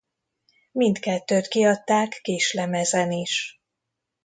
Mindkettőt kiadták kislemezen is.